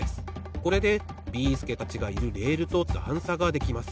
これでビーすけたちがいるレールとだんさができます。